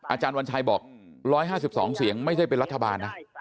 อาจารย์วัญชัยบอก๑๕๒เสียงไม่ใช่เป็นรัฐบาลนะ